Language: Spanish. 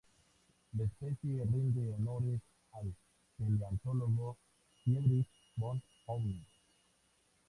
La especie rinde honores al paleontólogo Friedrich von Huene.